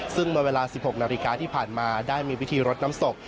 ซึ่งเมื่อเวลา๑๖นาฬิกาที่ผ่านมาได้มีพิธีรดน้ำศพ